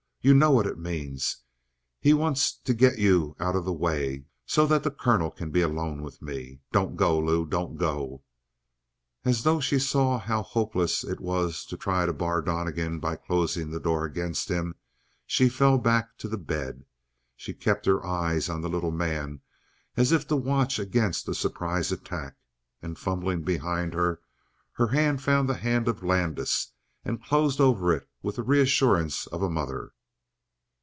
You know what it means. He wants to get you out of the way so that the colonel can be alone with me. Don't go, Lou! Don't go!" As though she saw how hopeless it was to try to bar Donnegan by closing the door against him, she fell back to the bed. She kept her eye on the little man, as if to watch against a surprise attack, and, fumbling behind her, her hand found the hand of Landis and closed over it with the reassurance of a mother.